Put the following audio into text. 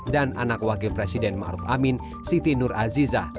dan anak wakil presiden ma'ruf amin siti nur azizah